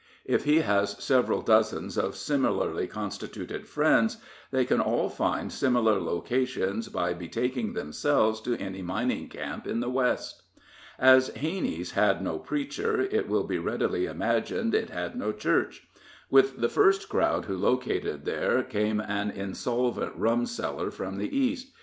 If he has several dozens of similarly constituted friends, they can all find similar locations by betaking themselves to any mining camp in the West. As Hanney's had no preacher, it will be readily imagined it had no church. With the first crowd who located there came an insolvent rumseller from the East.